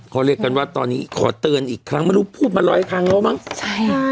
เขาเรียกกันว่าตอนนี้ขอเตือนอีกครั้งไม่รู้พูดมาร้อยครั้งแล้วมั้งใช่ค่ะ